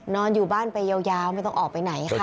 นอนอยู่บ้านไปยาวไม่ต้องออกไปไหนค่ะ